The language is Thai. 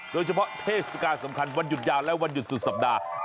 เทศกาลสำคัญวันหยุดยาวและวันหยุดสุดสัปดาห์